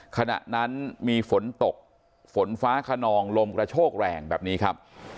ขณะนั้นมีฝนตกฝนฟ้าขนองลมกระโชกแรงแบบนี้ครับ